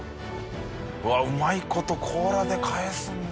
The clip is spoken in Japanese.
うわうまい事甲羅で返すんだ！